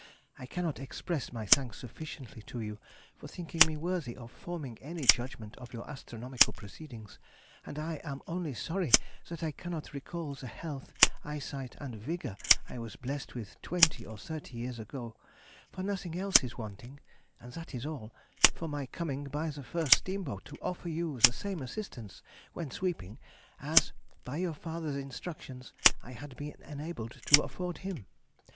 I cannot express my thanks sufficiently to you for thinking me worthy of forming any judgment of your astronomical proceedings, and am only sorry that I cannot recall the health, eyesight, and vigor I was blessed with twenty or thirty years ago; for nothing else is wanting (and that is all) for my coming by the first steamboat to offer you the same assistance (when sweeping) as, by your father's instructions, I had been enabled to afford him.